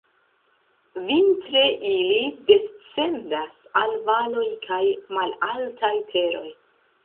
Vintre ili descendas al valoj kaj malaltaj teroj.